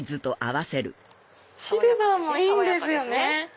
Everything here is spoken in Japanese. シルバーもいいんですよね。